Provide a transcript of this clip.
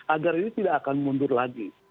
agar ini tidak akan mundur lagi